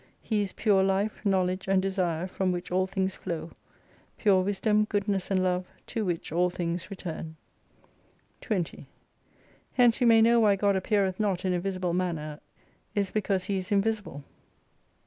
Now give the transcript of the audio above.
He is pure Life, Knowledge, and Desire, from which all things flow : pure Wisdom, Goodness, and Love to which all things return. 20 Hence we may know why God appeareth not in a visible manner, is because He is invisible.